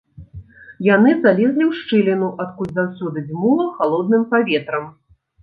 Яны залезлі ў шчыліну, адкуль заўсёды дзьмула халодным паветрам.